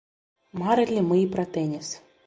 Марылі мы і пра тэніс.